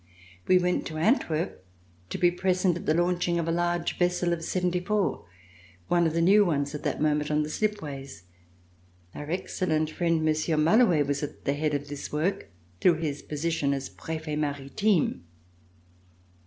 We went to Antwerp to be present at the launching of a large vessel of Seventy four, one of the new ones at that moment on the ways. Our excellent friend, Monsieur Malouct, was at the head of this work through his position as Prefet Maritime.